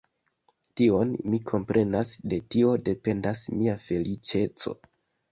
Tion mi komprenas; de tio dependas mia feliĉeco.